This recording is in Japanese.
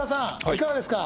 いかがですか？